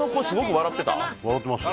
笑ってました。